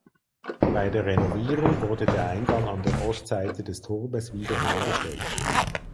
Bei der Renovierung wurde der Eingang an der Ostseite des Turmes wiederhergestellt.